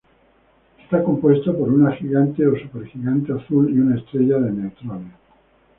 Está compuesto por una gigante o supergigante azul y una estrella de neutrones.